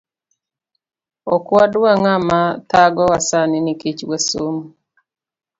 Okwadwa ngama thagowa sani Nikech wasomo